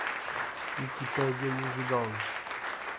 Wikipedia e os idosos.